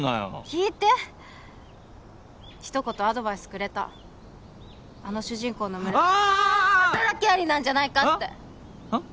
聞いて一言アドバイスくれたあの主人公の群れはあーっ働き蟻なんじゃないかってあっ？